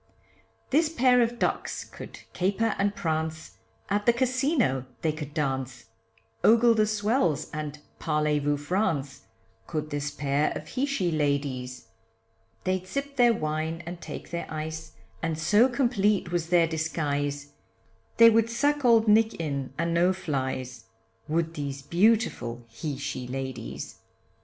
This pair of ducks could caper and prance, At the Casino they could dance, Ogle the swells, and parle vou France, Could this pair of he she ladies They'd sip their wine and take their ice, And so complete was their disguise, They would suck old nick in and no flys, Would these beautiful he she ladies.